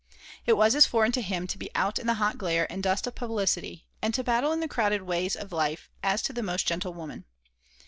It was as foreign to him to be out in the hot glare and dust of publicity, and to battle in the crowded ways of life, as to the most gentle woman.